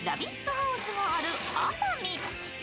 ハウスがある熱海。